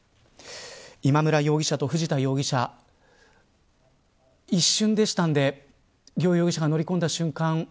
今村容疑者と藤田容疑者一瞬でしたので両容疑者が乗り込んだ瞬間